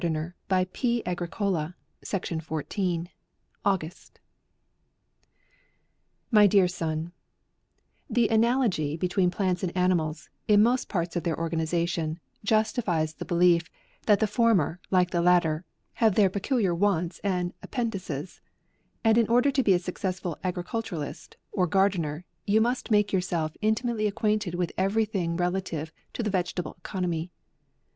I am. fyc. P. AGRICOLA. 02 AUGUST. My Dear Soar, The analogy between plants and ani mals, in most parts of their organization, jus tifies the belief, that the former, like the lat ter, have their peculiar wants and appeten ces ; and in order to be a successful agricul turist, or gardener, you must make yourself intimately acquainted with every thing rela tive to the vegetable economy.